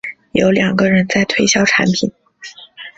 有两个人在推销产品